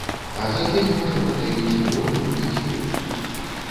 А за дзень можам надаіць і тону, і дзве!